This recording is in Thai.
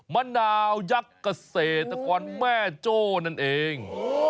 มะนาวยักษ์เกษตรกรแม่โจ้นั่นเอง